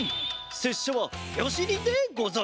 せっしゃはよし忍でござる！